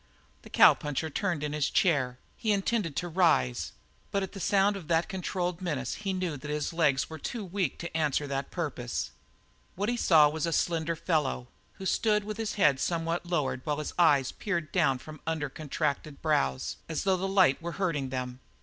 The cowpuncher turned in his chair. He had intended to rise, but at the sound of that controlled menace he knew that his legs were too weak to answer that purpose. What he saw was a slender fellow, who stood with his head somewhat lowered while his eyes peered down from under contracted brows, as though the light were hurting them.